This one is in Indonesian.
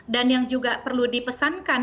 dan yang juga perlu dipesankan